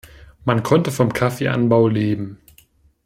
Man konnte vom Kaffeeanbau leben.